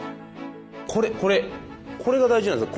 これこれこれが大事なんですね